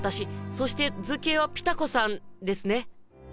そして図形はピタ子さんですね？